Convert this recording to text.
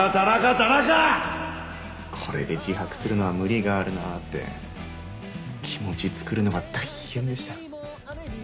これで自白するのは無理があるなって気持ち作るのが大変でした。